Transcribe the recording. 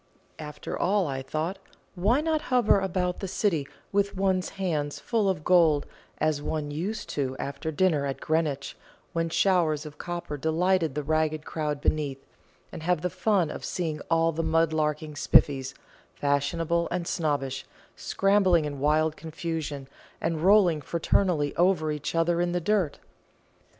"After all," I thought, "why not hover about the City with one's hands full of gold, as one used to after dinner at Greenwich, when showers of copper delighted the ragged crowd beneath, and have the fun of seeing all the mud larking Spiffys, fashionable and snobbish, scrambling in wild confusion, and rolling fraternally over each other in the dirt?